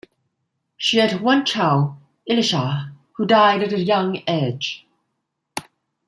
She had one child, Elisha, who died at a young age.